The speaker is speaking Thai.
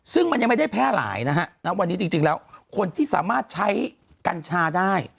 ซึ่งมันยังไม่ได้แพร่หลายนะฮะณวันนี้จริงแล้วคนที่สามารถใช้กัญชาได้